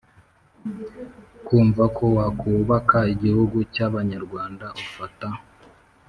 kumva ko wakubaka igihugu cy'abanyarwanda ufata